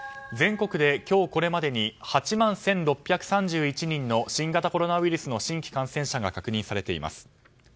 全国で今日これまでに８万１６３１人の新型コロナウイルスの新規感染者が確認されています。